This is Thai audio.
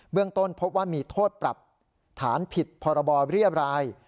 เรื่องต้นพบว่ามีโทษปรับฐานผิดพรบเรียบราย